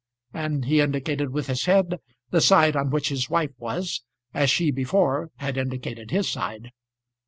and he indicated with his head the side on which his wife was, as she before had indicated his side.